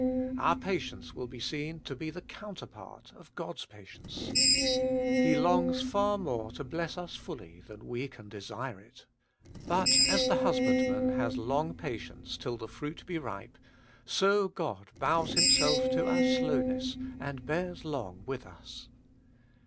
Our patience will be seen to be the counterpart of God's patience. He longs far more to bless us fully than we can desire it But, as the husbandman has long patienct; till the fruit be ripe, so God bows Himself to our slowness and bears long with us.